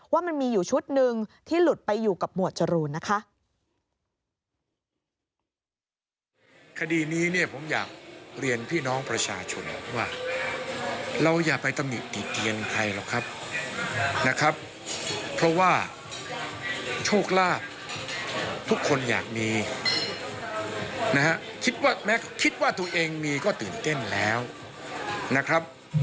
ว่ามันมีอยู่ชุดหนึ่งที่หลุดไปอยู่กับหมวดจรูนนะคะ